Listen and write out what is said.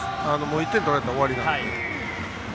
１点取られたら終わりなので。